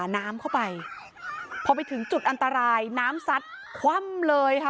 น้ำเข้าไปพอไปถึงจุดอันตรายน้ำซัดคว่ำเลยค่ะ